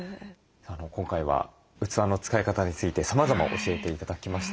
今回は器の使い方についてさまざま教えて頂きました。